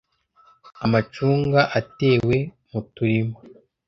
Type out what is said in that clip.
Amacunga atewe mu turima